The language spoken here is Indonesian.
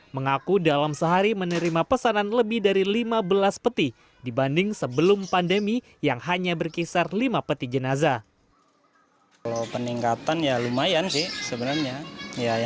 mengaku dalam sehari menerima pesanan lebih dari lima belas peti dibanding sebelum pandemi yang hanya berkisar lima peti jenazah